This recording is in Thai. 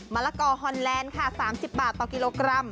ละกอฮอนแลนด์ค่ะ๓๐บาทต่อกิโลกรัม